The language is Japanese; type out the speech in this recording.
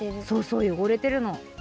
そうそうよごれてるの。